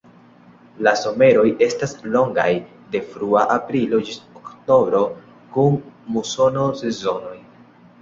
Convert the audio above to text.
La someroj estas longaj, de frua aprilo ĝis oktobro kun musono-sezonoj.